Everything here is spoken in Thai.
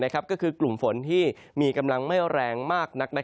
ก็คือกลุ่มฝนที่มีกำลังไม่แรงมากนัก